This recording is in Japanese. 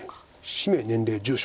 「氏名」年齢住所。